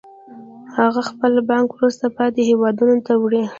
هغه خپله پانګه وروسته پاتې هېوادونو ته وړي